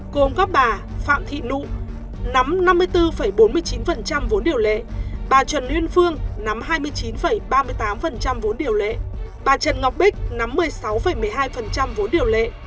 gồm các bà phạm thị nụ nắm năm mươi bốn bốn mươi chín vốn điều lệ bà trần uyên phương nắm hai mươi chín ba mươi tám vốn điều lệ bà trần ngọc bích nắm một mươi sáu một mươi hai vốn điều lệ